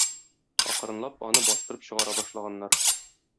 Акрынлап аны бастырып чыгара башлаганнар.